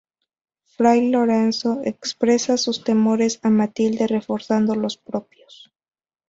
Fray Lorenzo expresa sus temores a Matilde reforzando los propios.